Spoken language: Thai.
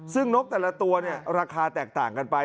ซึ่งนกแต่ละตัวราคาแตกต่างกันไป